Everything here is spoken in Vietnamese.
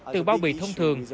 từ bao bì thông thường